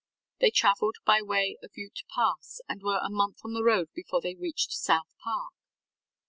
They traveled by way of Ute Pass and were a month on the road before they reached South Park.